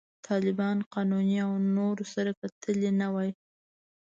طالبانو، قانوني او نور سره کتلي نه وای.